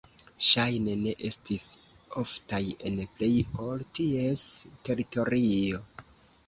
Ŝajne ne estis oftaj en plej el ties teritorio.